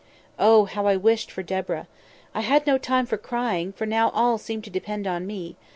"Oh, how I wished for Deborah! I had no time for crying, for now all seemed to depend on me.